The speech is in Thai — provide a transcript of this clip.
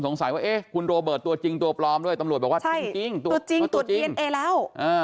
ตรวจจริงตรวจดีเอเอแล้ว